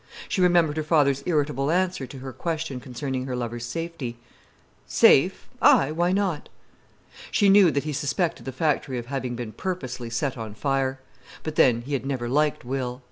She remembered her father's irritable answer to her question concerning her lover's safety—"Safe, aye—why not?" She knew that he suspected the factory of having been purposely set on fire. But then, he had never liked Will.